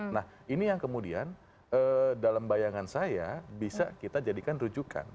nah ini yang kemudian dalam bayangan saya bisa kita jadikan rujukan